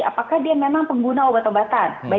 apakah dia memang pengguna obat obatan